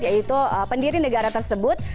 yaitu pendiri negara tersebut